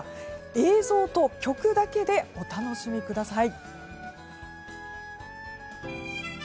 映像と曲だけでお楽しみください。